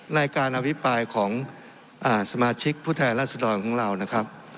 ในการอภิปรายของสมาชิกผู้แทนรัศดรของเรานะครับ